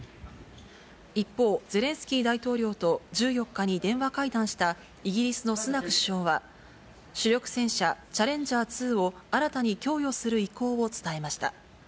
一方、ゼレンスキー大統領と１４日に電話会談したイギリスのスナク首相は、主力戦車、チャレンジャー２を新たに供与する意向を伝えました。